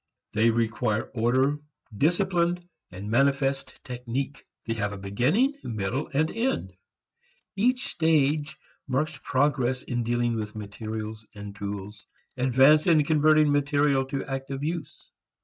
They require order, discipline, and manifest technique. They have a beginning, middle and end. Each stage marks progress in dealing with materials and tools, advance in converting material to active use.